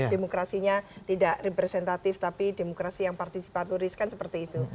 demokrasinya tidak representatif tapi demokrasi yang partisipaturis kan seperti itu